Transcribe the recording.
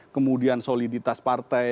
kemudian soliditas partai